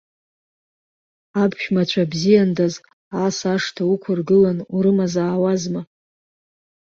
Аԥшәмацәа бзиандаз ас ашҭа уқәыргылан урымазаауазма.